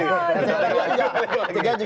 ini kembali lagi